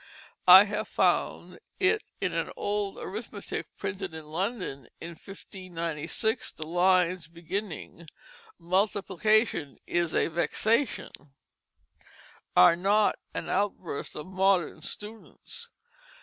I have found it in an old arithmetic printed in London in 1596. The lines beginning "Multiplication is vexation," are not an outburst of modern students.